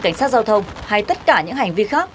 cảnh sát giao thông hay tất cả những hành vi khác